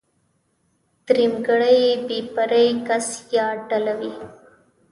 درېمګړی بې پرې کس يا ډله وي.